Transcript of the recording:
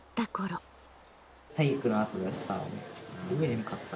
体育のあとがさすげえ眠かった。